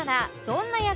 どんな役？」